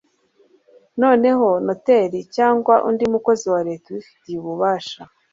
noneho noteri cyangwa undi mukozi wa leta ubifitiye ububasha